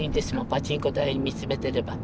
パチンコ台見つめてれば。